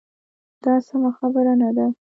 دا سمه خبره نه ده.